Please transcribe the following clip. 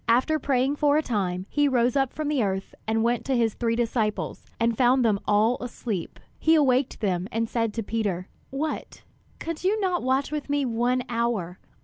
After praying for a time, he rose up from the earth and went to his three disciples, and found them all asleep. He awaked them, and said to Peter: "What, could you not watch with me one hour?